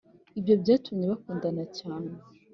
Ibyo byatumye bakundana, cyane